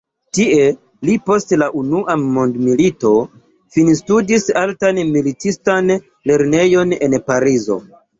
Tie li post la unua mondmilito finstudis Altan militistan lernejon en Parizo.